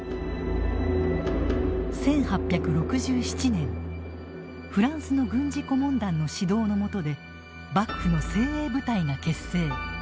１８６７年フランスの軍事顧問団の指導の下で幕府の精鋭部隊が結成。